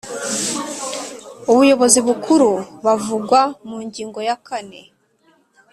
ubuyobozi bukuru bavugwa mu ngingo ya kane